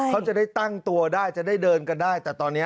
เขาจะได้ตั้งตัวได้จะได้เดินกันได้